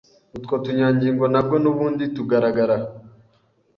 utwo tunyangingo nabwo nubundi tugaragara